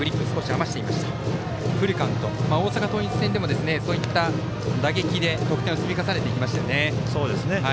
大阪桐蔭戦でもそういった打撃で得点を積み重ねていきましたね。